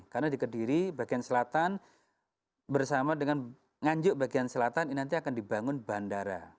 karena di kediri bagian selatan bersama dengan nganjung bagian selatan ini nanti akan dibangun bandara